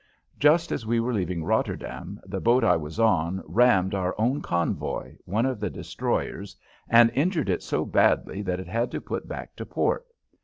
Just as we were leaving Rotterdam the boat I was on rammed our own convoy, one of the destroyers, and injured it so badly that it had to put back to port.